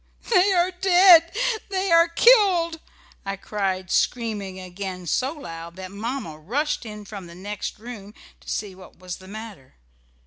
"They are dead, they are killed!" I cried screaming again so loud that Mamma rushed in from the next room to see what was the matter.